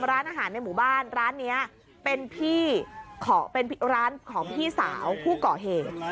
ร้านอาหารในหมู่บ้านร้านนี้เป็นร้านของพี่สาวผู้ก่อเหตุ